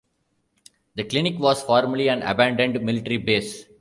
The clinic was formerly an abandoned military base.